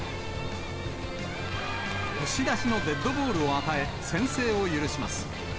押し出しのデッドボールを与え、先制を許します。